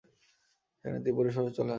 সেখানে তিনি পরিবারসহ চলে আসবেন।